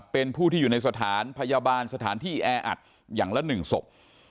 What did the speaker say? เป็นผู้ที่อยู่ในสถานพยาบาลสถานที่แออัดอย่างละ๑ศพ